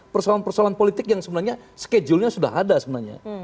persoalan persoalan politik yang sebenarnya schedule nya sudah ada sebenarnya